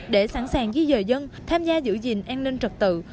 để sẵn sàng di dời dân tham gia giữ gìn an ninh trật tự